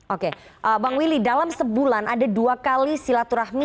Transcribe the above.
oke bang willy dalam sebulan ada dua kali silaturahmi